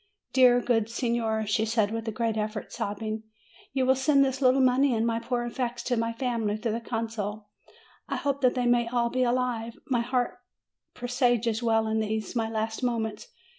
"Dear, good signora," she said with a great effort, sobbing, "you will send this little money and my poor effects to my family through the consul. I hope that they may all be alive. My heart presages well in these, my last moments.